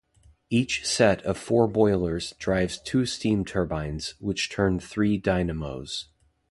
Each set of four boilers drives two steam turbines, which turn three dynamos.